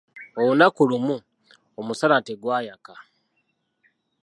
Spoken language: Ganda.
Olunaku lumu, omusana tegwayaka.